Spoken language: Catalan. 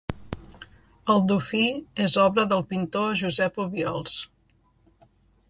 El dofí és obra del pintor Josep Obiols.